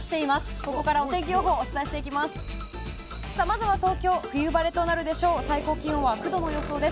ここからお天気予報お伝えしていきます。